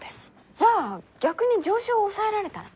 じゃあ逆に上昇を抑えられたら？